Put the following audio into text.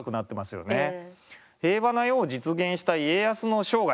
平和な世を実現した家康の生涯。